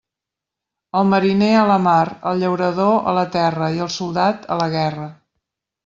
El mariner a la mar; el llaurador, a la terra, i el soldat, a la guerra.